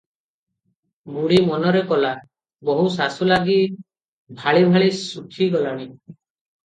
ବୁଢ଼ୀ ମନରେ କଲା, ବୋହୂ ଶାଶୁ ଲାଗି ଭାଳି ଭାଳି ଶୁଖି ଗଲାଣି ।